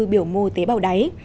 biểu mô tế bào đáy